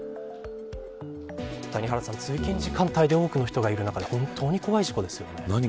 谷原さん、通勤時間帯で多くの人がいる中で本当に怖い事故ですよね。